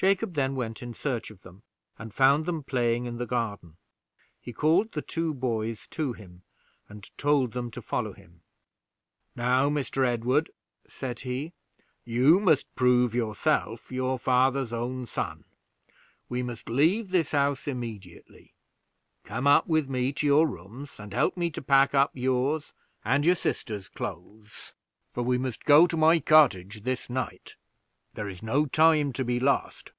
Jacob then went in search of them, and found them playing in the garden. He called the two boys to him, and told them to follow him. "Now, Mr. Edward," said he, "you must prove yourself your father's own son. We must leave this house immediately; come up with me to your rooms, and help me to pack up yours and your sisters' clothes, for we must go to my cottage this night. There is no time to be lost."